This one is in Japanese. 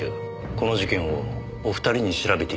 この事件をお二人に調べて頂きたい。